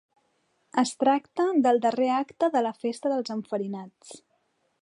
Es tracta del darrer acte de la Festa dels enfarinats.